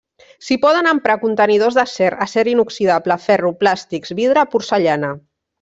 S'hi poden emprar contenidors d'acer, acer inoxidable, ferro, plàstics, vidre, porcellana.